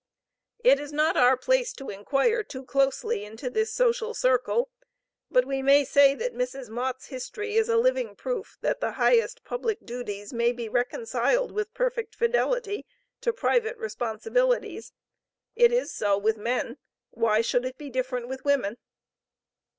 It is not our place to inquire too closely into this social circle, but we may say that Mrs. Mott's history is a living proof that the highest public duties may be reconciled with perfect fidelity to private responsibilities. It is so with men, why should it be different with women?